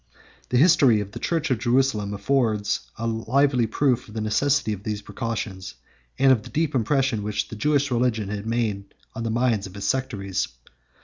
] The history of the church of Jerusalem affords a lively proof of the necessity of those precautions, and of the deep impression which the Jewish religion had made on the minds of its sectaries.